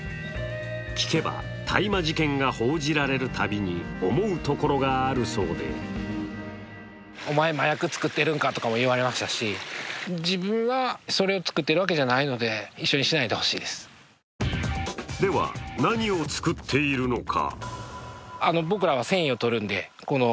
聞けば大麻事件が報じられるたびに思うところがあるそうででは、何を作っているのか。